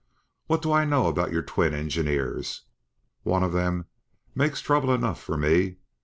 What do I know about your twin ingineers? Wan of thim makes trouble enough for me!